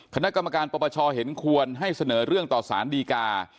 คณะกรรมการปปชเห็นควรให้เสนอเรื่องต่อสารดีกา